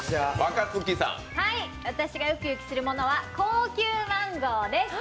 私がウキウキするものは高級マンゴーです。